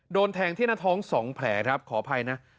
โดนแทงที่หน้าท้อง๒แผลครับขออภัยนะ